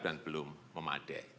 dan belum memadai